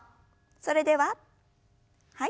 それでははい。